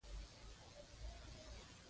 شور و ځپل شو.